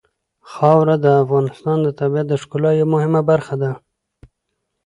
خاوره د افغانستان د طبیعت د ښکلا یوه مهمه برخه ده.